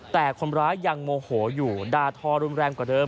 แต่คนร้ายยังโมโหอยู่ด่าทอรุนแรงกว่าเดิม